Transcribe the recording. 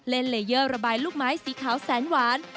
เลเยอร์ระบายลูกไม้สีขาวแสนหวาน